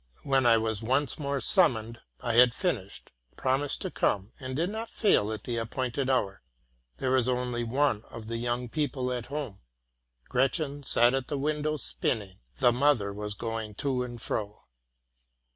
When I was once more summoned, I had finished, promised to come, and did not fail at the appointed hour. 'There was only one of the young people at home 3 Gretchen sat at the window spinning ; the mother was going to and fro.